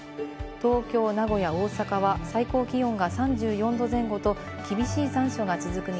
東京、名古屋、大阪は最高気温が３４度前後と厳しい残暑が続く見